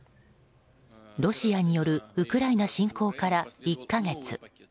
ロシアによるウクライナ侵攻から１か月。